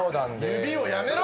指をやめろ！